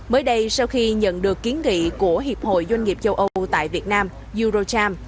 mới đây sau khi nhận được kiến nghị của hiệp hội doanh nghiệp châu âu tại việt nam eurocharm